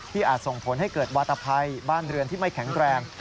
อาจส่งผลให้เกิดวาตภัยบ้านเรือนที่ไม่แข็งแรง